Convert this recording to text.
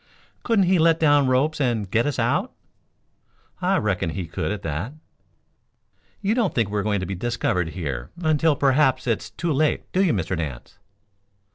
"Couldn't he let down ropes and get us out?" "I reckon he could at that." "You don't think we are going to be discovered here until perhaps it is too late, do you, Mr. Nance?"